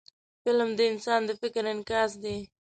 فلم د انسان د فکر انعکاس دی